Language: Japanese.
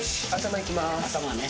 頭ね。